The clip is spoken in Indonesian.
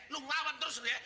lu ngawet terus lu ya